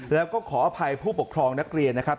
แล้วก็ขออภัยผู้ปกครองนักเรียนนะครับ